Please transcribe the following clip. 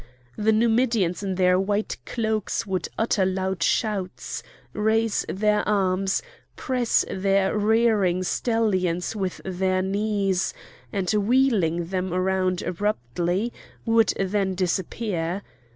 The Numidians in their white cloaks would utter loud shouts, raise their arms, press their rearing stallions with their knees, and, wheeling them round abruptly, would then disappear.